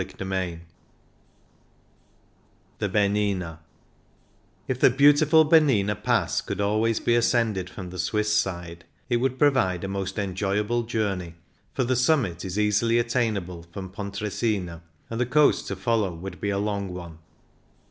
CHAPTER III THE BERNINA If the beautiful Bernina Pass could always be ascended from the Swiss side, it would provide a most enjoyable journey, for the summit is easily attainable from Pontre sina, and the coast to follow would be a long one.